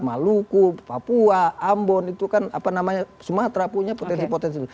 maluku papua ambon itu kan sumatera punya potensi potensi